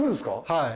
はい。